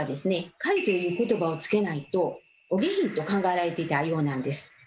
「狩り」という言葉をつけないとお下品と考えられていたようなんです。